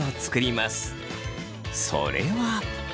それは。